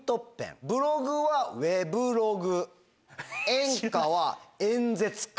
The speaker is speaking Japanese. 演歌は演説歌。